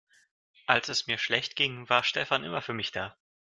Als es mir schlecht ging, war Stefan immer für mich da.